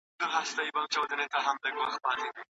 املا د زده کړي یوه فعاله برخه ده.